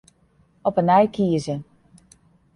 Op 'e nij kieze.